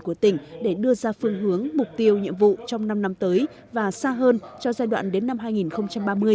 của tỉnh để đưa ra phương hướng mục tiêu nhiệm vụ trong năm năm tới và xa hơn cho giai đoạn đến năm hai nghìn ba mươi